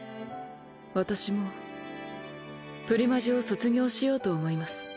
私もプリマジを卒業しようと思います。